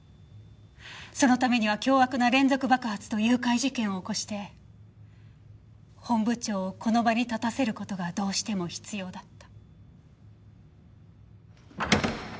そのためには凶悪な連続爆発と誘拐事件を起こして本部長をこの場に立たせる事がどうしても必要だった。